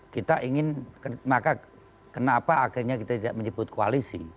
kita ingin maka kenapa akhirnya kita tidak menyebut koalisi